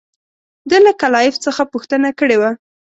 ده له کلایف څخه پوښتنه کړې وه.